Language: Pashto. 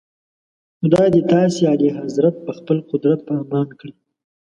خدای دې تاسي اعلیحضرت په خپل قدرت په امان کړي.